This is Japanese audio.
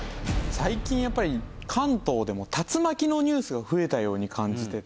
最近やっぱり関東でも竜巻のニュースが増えたように感じてて。